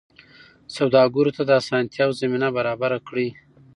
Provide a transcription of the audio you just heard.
سوداګرو ته د اسانتیاوو زمینه برابره کړئ.